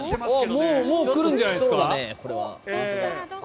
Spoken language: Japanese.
もう来るんじゃないですか？